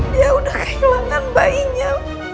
dia udah kehilangan bayinya